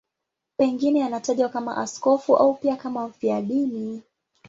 Pengine anatajwa kama askofu au pia kama mfiadini.